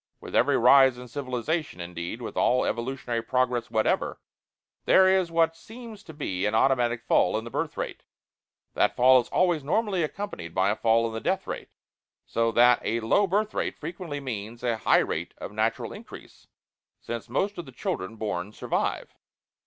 With every rise in civilization, indeed with all evolutionary progress whatever, there is what seems to be an automatic fall in the birth rate. That fall is always normally accompanied by a fall in the death rate, so that a low birth rate frequently means a high rate of natural increase, since most of the children born survive.